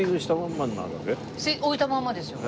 置いたままですよ。